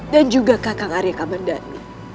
dan juga kakang arya kamandani